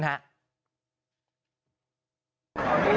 ลองไปดูเหตุการณ์ความชื่อระมวลที่เกิดอะไร